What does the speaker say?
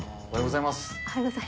おはようございます。